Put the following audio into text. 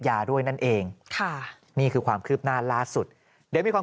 ยาด้วยนั่นเองค่ะนี่คือความคืบหน้าล่าสุดเดี๋ยวมีความ